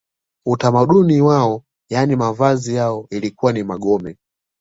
Utamaduni wao yaani mavazi yao ilikuwa ni magome